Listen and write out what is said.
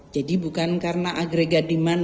jadi bukan karena agrega demand